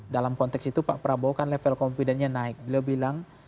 dalam konteks itu pak prabowo kan level confidentnya naik beliau bilang